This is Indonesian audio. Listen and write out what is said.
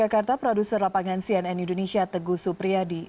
jakarta produser lapangan cnn indonesia teguh supriyadi